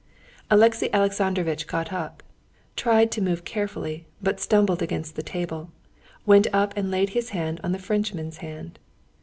Alexey Alexandrovitch got up, tried to move carefully, but stumbled against the table, went up and laid his hand in the Frenchman's hand.